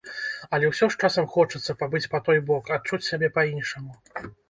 Але ўсё ж часам хочацца пабыць па той бок, адчуць сябе па-іншаму.